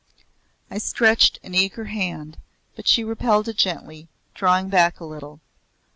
I stretched an eager hand but she repelled it gently, drawing back a little.